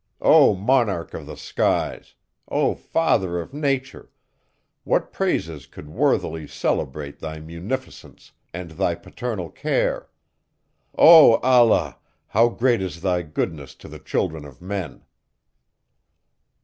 O Monarch of the skies! O Father of nature! what praises could worthily celebrate thy munificence, and thy paternal care! O Allah! how great is thy goodness to the children of men!"